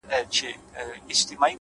پوهه د شک تیاره کمزورې کوي!